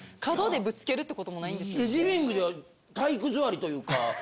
リビングでは体育座りというか？